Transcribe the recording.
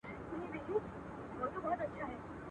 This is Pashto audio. دا د نحوي قصیدې د چا په ښه دي.